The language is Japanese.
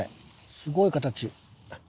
すごい形。